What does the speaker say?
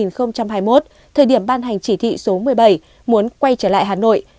năm hai nghìn hai mươi một thời điểm ban hành chỉ thị số một mươi bảy muốn quay trở lại hà nội